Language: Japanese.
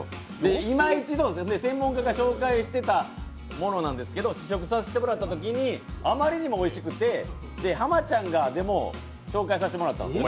今一度、専門家が紹介してたものなんですけど、試食させてもらったときにあまりにもおいしくて、「浜ちゃんが！」でも紹介させてもらったんですよ。